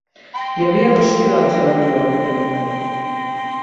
Hi havia dos pilots a l'avió en aquell moment.